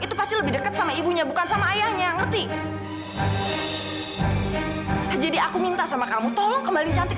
udah cepetan bawa cantik